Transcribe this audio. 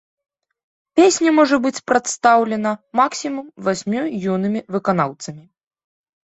Песня можа быць прадстаўлена максімум васьмю юнымі выканаўцамі.